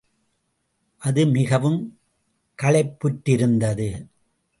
அது மிகவும் களைப்புற்றிருந்தது.